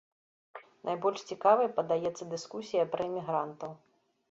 Найбольш цікавай падаецца дыскусія пра эмігрантаў.